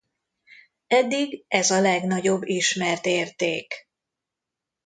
Eddig ez a legnagyobb ismert érték.